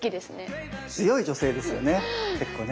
強い女性ですよね結構ね。